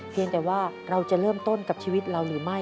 เพียงแต่ว่าเราจะเริ่มต้นกับชีวิตเราหรือไม่